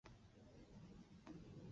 没有设置转辙器的单线路轨车站。